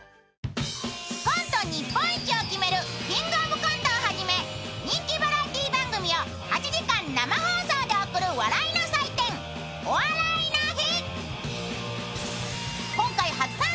コント日本一を決める「キングオブコント」をはじめ人気バラエティー番組を８時間生放送で送る笑いの祭典「お笑いの日」。